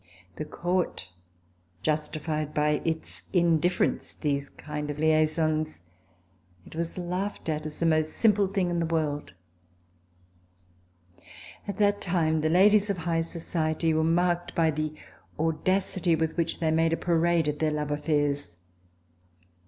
The Court justified by its indiff"erence these kinds of liaisons. It was laughed at as the most simple thing in the world. At that time the ladies of high society were marked by the audacity with which they made a parade of their love afi^airs.